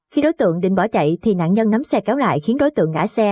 khi đối tượng định bỏ chạy thì nạn nhân nắm xe kéo lại khiến đối tượng ngã xe